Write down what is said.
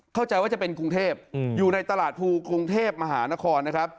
เข้าใจว่าจะเป็นกรุงเทพอยู่ในตลาดภูกรุงเทพมหานครนะครับ